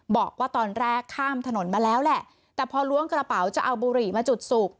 บอกว่าตอนแรกข้ามถนนมาแล้วแหละแต่พอล้วงกระเป๋าจะเอาบุหรี่มาจุดสูบ